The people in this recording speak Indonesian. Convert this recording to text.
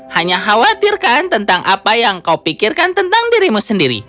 hanya khawatirkan tentang apa yang kau pikirkan tentang dirimu sendiri